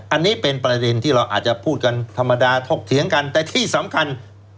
อันนี้เป็นประเด็นที่เราอาจจะพูดกันธรรมดาทกเถียงกันแต่ที่สำคัญ